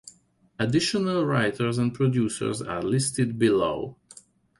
Additional writers and producers are listed below.